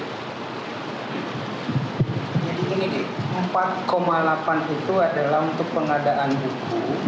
empat delapan itu adalah untuk pengadaan hukum